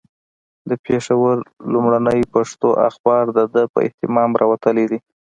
د پېښور لومړنی پښتو اخبار د ده په اهتمام راوتلی دی.